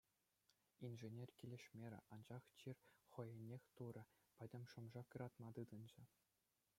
Инженер килӗшмерӗ, анчах чир хӑйӗннех турӗ, пӗтӗм шӑм-шак ыратма тытӑнчӗ.